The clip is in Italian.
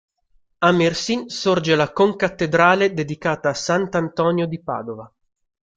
A Mersin sorge la concattedrale dedicata a sant'Antonio di Padova.